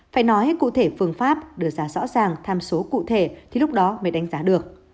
phải nói cụ thể phương pháp đưa ra rõ ràng tham số cụ thể thì lúc đó mới đánh giá được